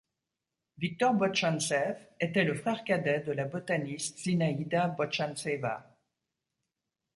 Victor Botchantsev était le frère cadet de la botaniste Zinaïda Botchantseva.